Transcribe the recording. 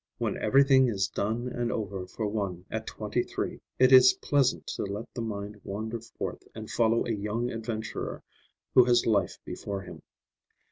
When everything is done and over for one at twenty three, it is pleasant to let the mind wander forth and follow a young adventurer who has life before him.